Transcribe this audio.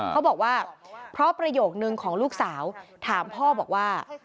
เขาบอกว่าเพราะประโยคนึงของลูกสาวถามพ่อบอกว่า